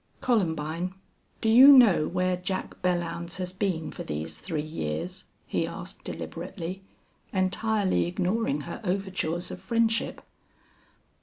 "Columbine, do you know where Jack Belllounds has been for these three years?" he asked, deliberately, entirely ignoring her overtures of friendship.